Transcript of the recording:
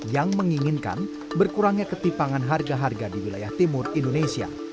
yang menginginkan berkurangnya ketipangan harga harga di wilayah timur indonesia